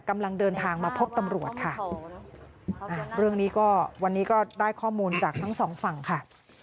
กำลังเดินทางมาพบตำรวจค่ะอ่าเรื่องนี้ก็วันนี้ก็ได้ข้อมูลจากทั้งสองฝั่งค่ะ